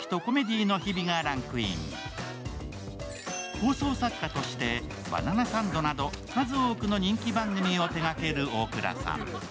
放送作家として「バナナサンド」など数多くの人気番組を手がけるオークラさん。